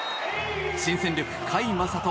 新戦力・甲斐優斗